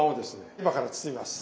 今から包みます。